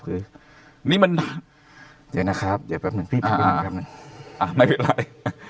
เดี๋ยวนะครับไม่เป็นไร